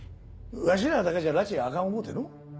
わしらだけじゃらちが明かん思うての。